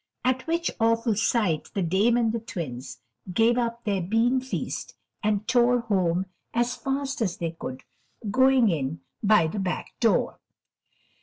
At which awful sight the Dame and the Twins gave up their bean feast and tore home as fast as they could, going in by the back door.